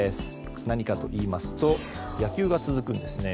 何かといいますと野球が続くんですね。